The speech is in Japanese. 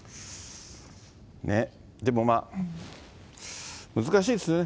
でもまあ、難しいですね。